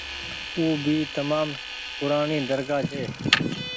او ڀي تمآم پورآڻي درگآه ڇي۔